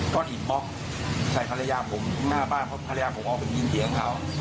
ก็ถีบป๊อกใส่ภรรยาผมถึงหน้าบ้านเพราะภรรยาผมออกไปยิงเถียงเขา